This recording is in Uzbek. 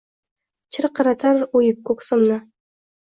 Chirqiratar oʻyib koʻksimni